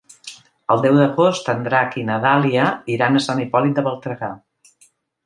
El deu d'agost en Drac i na Dàlia iran a Sant Hipòlit de Voltregà.